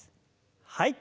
はい。